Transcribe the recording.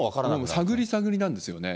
探り探りなんですよね。